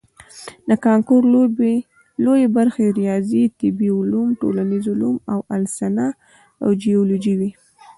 د کانکور لویې برخې ریاضي، طبیعي علوم، ټولنیز علوم او السنه او جیولوجي وي.